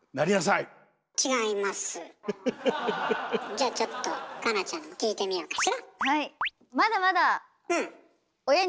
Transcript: じゃあちょっと夏菜ちゃんに聞いてみようかしら。